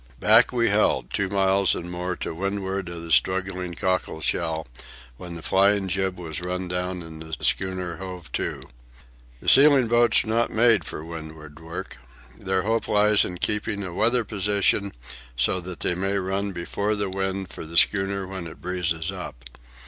Back we held, two miles and more to windward of the struggling cockle shell, when the flying jib was run down and the schooner hove to. The sealing boats are not made for windward work. Their hope lies in keeping a weather position so that they may run before the wind for the schooner when it breezes up.